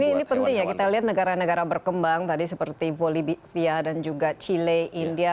ini penting ya kita lihat negara negara berkembang tadi seperti bolivia dan juga chile india